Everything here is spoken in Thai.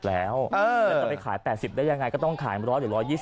แล้วจะไปขาย๘๐ได้ยังไงก็ต้องขาย๑๐๐หรือ๑๒๐